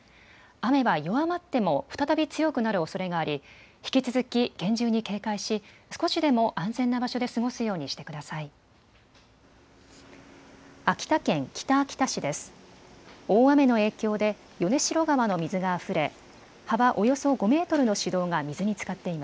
雨は弱まっても再び強くなるおそれがあり引き続き厳重に警戒し少しでも安全な場所で過ごすようにしてください。